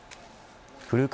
古川